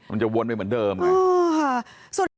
มันจะวนไปเหมือนเดิมนะ